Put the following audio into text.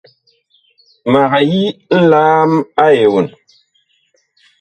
Mag yi nlaam a eon.